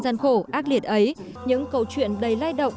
gian khổ ác liệt ấy những câu chuyện đầy lai động